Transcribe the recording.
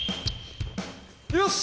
よし！